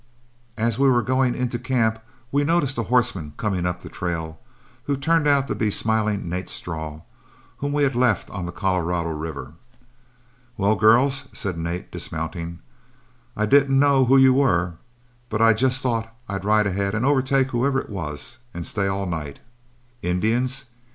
As we were going into camp, we noticed a horseman coming up the trail, who turned out to be smiling Nat Straw, whom we had left on the Colorado River. "Well, girls," said Nat, dismounting, "I didn't know who you were, but I just thought I'd ride ahead and overtake whoever it was and stay all night. Indians?